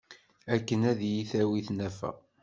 Akken ad iyi-tawi tnafa.